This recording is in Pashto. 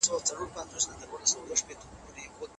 د خوړو وخت ماشومانو ته مهم دی.